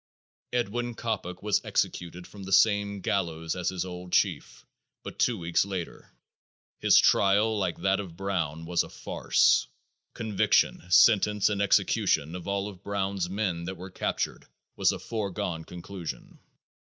Edwin Coppock was executed from the same gallows as his old chief, but two weeks later. His trial, like that of Brown, was a farce. Conviction, sentence and execution of all of Brown's men that were captured was a foregone conclusion.